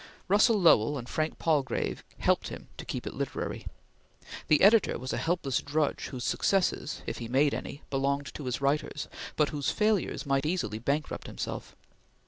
Russell Lowell and Frank Palgrave helped him to keep it literary. The editor was a helpless drudge whose successes, if he made any, belonged to his writers; but whose failures might easily bankrupt himself.